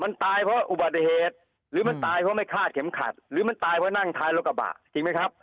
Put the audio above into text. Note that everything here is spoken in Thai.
มันตายเพราะอุบัติเหตุหรือมันตายเพราะไม่คาดเข็มขัดหรือมันตายเพราะนั่งท้ายรถกระบะจริงไหมครับ